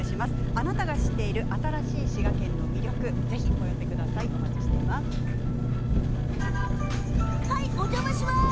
あなたが知っている新しい滋賀県の魅力をお邪魔します。